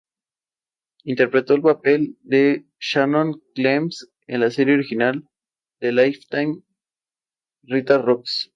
Hawkes propone una interpretación simbólica de una transición social.